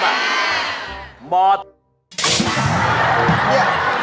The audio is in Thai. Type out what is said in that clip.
มเนี่ย